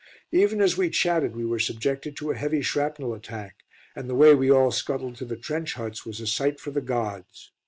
Even as we chatted we were subjected to a heavy shrapnel attack, and the way we all scuttled to the trench huts was a sight for the gods.